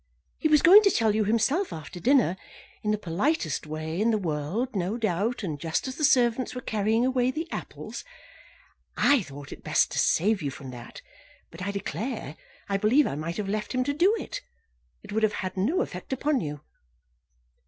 He was going to tell you himself after dinner, in the politest way in the world, no doubt, and just as the servants were carrying away the apples. I thought it best to save you from that; but, I declare, I believe I might have left him to do it; it would have had no effect upon you.